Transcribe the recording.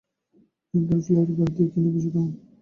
তিনি তার ফিল্লাউরের বাড়ী থেকে নির্বাসিত হন।